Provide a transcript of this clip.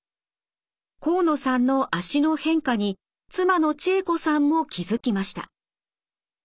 河野さんの足の変化に妻の智恵子さんも気付きました。